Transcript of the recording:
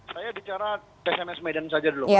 saya bicara psms medan saja dulu